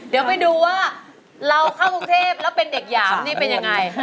เดี๋ยวไปดูว่าเราเข้ากรุงเทพแล้วเป็นเด็กหยามนี่เป็นยังไง